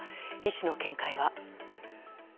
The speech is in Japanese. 医師の見解は。